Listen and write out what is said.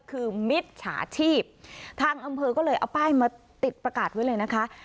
คือมิจฉาชีพทางอำเภอก็เลยเอาป้ายมาติดประกาศไว้เลยนะคะ